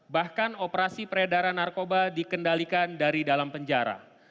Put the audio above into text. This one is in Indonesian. bahkan operasi peredaran narkoba dikendalikan dari dalam penjara